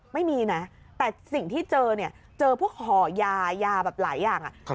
ไม่มีนะแต่สิ่งที่เจอเนี่ยเจอพวกห่อยายาแบบหลายอย่าง